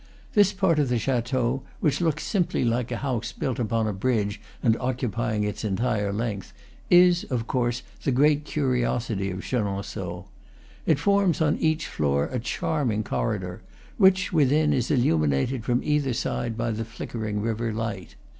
This part of the chateau, which looks simply like a house built upon a bridge and occupying its entire length, is of course the great curiosity of Chenonceaux. It forms on each floor a charming corridor, which, within, is illuminated from either side by the flickering river light.